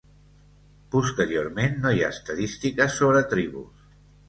Posteriorment no hi ha estadístiques sobre tribus.